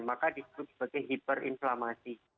maka disebut sebagai hiperinflamasi